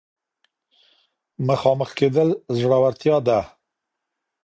مخامخ کېدل زړورتيا ده.